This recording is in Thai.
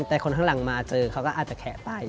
แต่คนข้างหลังมาเจอเขาก็อาจจะแขะไป